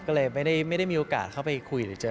ก็เลยไม่ได้มีโอกาสเข้าไปคุยหรือเจอ